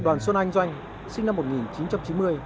đoàn xuân anh doanh sinh năm một nghìn chín trăm chín mươi